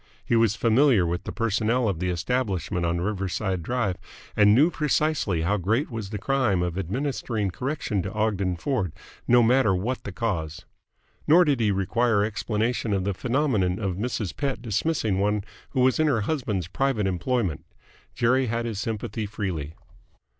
He was familiar with the personnel of the establishment on Riverside Drive, and knew precisely how great was the crime of administering correction to Ogden Ford, no matter what the cause. Nor did he require explanation of the phenomenon of Mrs. Pett dismissing one who was in her husband's private employment. Jerry had his sympathy freely.